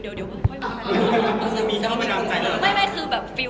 ตัวเสมีจะเข้ามาดามใจเลย